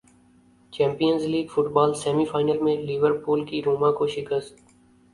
champions league football semi final میں Liverpool کی روما کو شکست